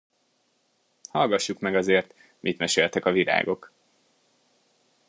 Hallgassuk meg azért, mit meséltek a virágok.